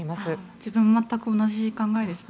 自分も全く同じ考えですね。